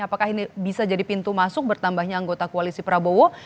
apakah ini bisa jadi pintu masuk bertambahnya anggota koalisi prabowo